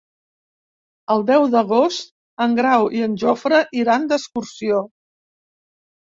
El deu d'agost en Grau i en Jofre iran d'excursió.